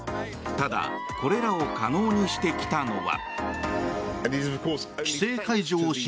ただ、これらを可能にしてきたのは。